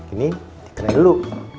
ini dikenain dulu